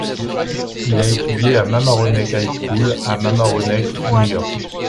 Il a étudié à la Mamaroneck High School à Mamaroneck, New York.